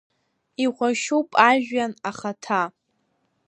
Ихәашьуп ажәҩан ахаҭа.